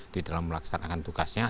di dalam melaksanakan tugasnya